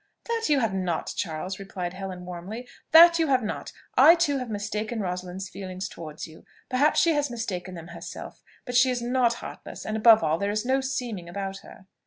"That you have not, Charles!" replied Helen warmly; "that you have not! I too have mistaken Rosalind's feelings towards you. Perhaps she has mistaken them herself: but she is not heartless; and above all, there is no seeming about her."